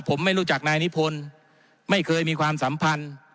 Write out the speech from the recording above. ผมไม่รู้จักนายนิพนธ์ไม่เคยมีความสัมพันธ์